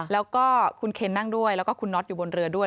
แล้วก็คุณเคนนั่งด้วยแล้วก็คุณน็อตอยู่บนเรือด้วย